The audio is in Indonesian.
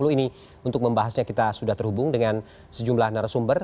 ini untuk membahasnya kita sudah terhubung dengan sejumlah narasumber